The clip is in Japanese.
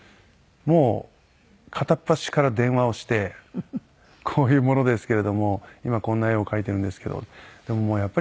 もう片っ端から電話をしてこういう者ですけれども今こんな絵を描いてるんですけどって。